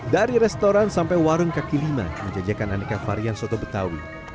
dari restoran sampai warung kaki lima menjajakan aneka varian soto betawi